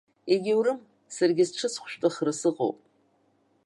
Егьоурым, саргьы сҽысхәышәтәыхра сыҟоуп.